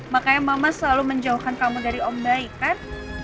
makanya mama selalu menjauhkan kamu dari om baik kan